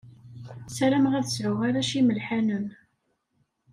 Sarameɣ ad sɛuɣ arrac imelḥanen.